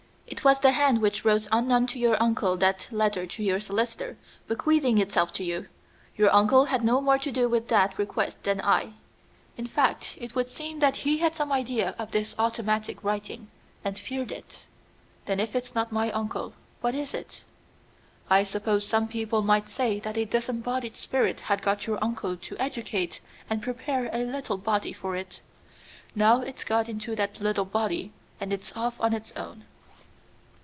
It was the hand which wrote unknown to your uncle that letter to your solicitor, bequeathing itself to you. Your uncle had no more to do with that request than I. In fact, it would seem that he had some idea of this automatic writing, and feared it." "Then if it's not my uncle, what is it?" "I suppose some people might say that a disembodied spirit had got your uncle to educate and prepare a little body for it. Now it's got into that little body and is off on its own."